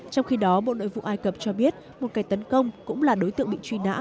trong khi đó bộ nội vụ ai cập cho biết một kẻ tấn công cũng là đối tượng bị truy nã